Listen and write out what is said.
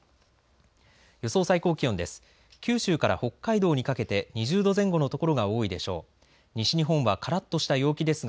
予想最高気温です。